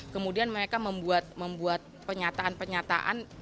kemudian mereka membuat pernyataan pernyataan